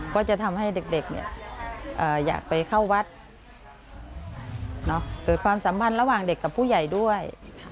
ก็จะทำให้เด็กอยากไปเข้าวัดเกิดความสัมพันธ์ระหว่างเด็กกับผู้ใหญ่ด้วย